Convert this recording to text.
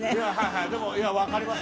はいでも分かります